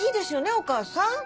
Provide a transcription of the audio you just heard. お義母さん。